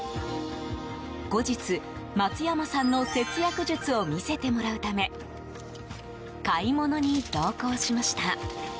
後日、松山さんの節約術を見せてもらうため買い物に同行しました。